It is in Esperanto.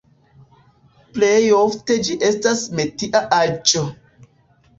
Plej ofte ĝi estas metia aĵo.